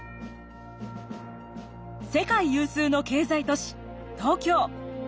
世界有数の経済都市東京。